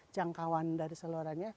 jangkauan dari seluruh